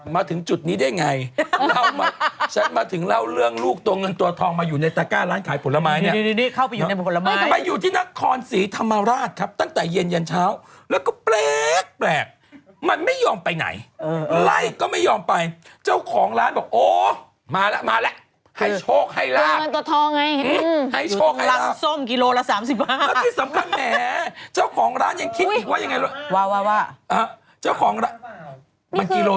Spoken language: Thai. มาถึงจุดนี้ได้ไงเรามาฉันมาถึงเล่าเรื่องลูกตัวเงินตัวทองมาอยู่ในตระก้าร้านขายผลไม้เนี่ยดีเข้าไปอยู่ในผลไม้มาอยู่ที่นักคอนศรีธรรมาราชครับตั้งแต่เย็นเช้าแล้วก็เปรกมันไม่ยอมไปไหนไล่ก็ไม่ยอมไปเจ้าของร้านบอกโอ้มาแล้วมาแล้วให้โชคให้รักตัวเงินตัวทองไงให้โชคให